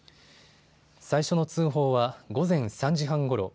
最初の通報は午前３時半ごろ。